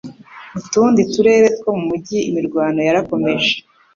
Mu tundi turere two mu mujyi, imirwano yarakomeje.